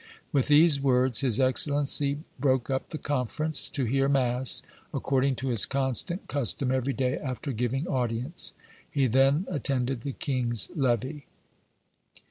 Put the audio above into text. With these words his ex cellency broke up the conference to hear mass, according to his constant custom every day after giving audience : he then attended the king's levee.